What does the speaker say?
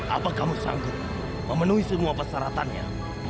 apa kamu sanggup memenuhi semua persyaratannya